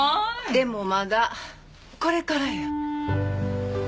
でもまだこれからよ。